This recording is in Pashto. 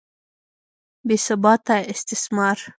بې ثباته استثمار.